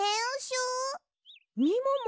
みもも